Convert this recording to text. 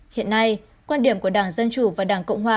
hiện nay quan điểm của đảng dân chủ và đảng cộng hòa